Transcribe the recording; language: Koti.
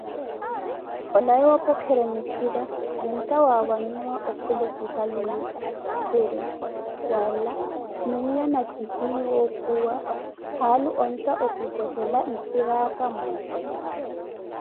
Olawe wapokhere mikhira zintta waawanyiwa okhule ti halwiyo, Khuri: Wala, miiyo nakihiiwo okhuwa, haalu ontta okipwehela nkhira aka mmote.